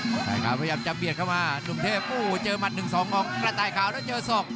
กระต่ายขาวพยายามจะเบียดเข้ามาหนุ่มเทพเบียดเข้ามาโอ้โหเจอมันหนึ่งสองของกระต่ายขาวแล้วเจอสอง